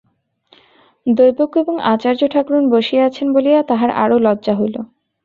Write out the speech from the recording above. দৈবজ্ঞ এবং আচার্য-ঠাকরুন বসিয়া আছেন বলিয়া তাহার আরো লজ্জা হইল।